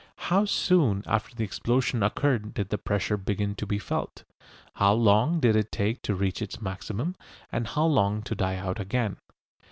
How soon after the explosion occurred did the pressure begin to be felt? How long did it take to reach its maximum and how long to die out again?